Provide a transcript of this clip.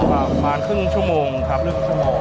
ประมาณครึ่งชั่วโมงครับลึกชั่วโมง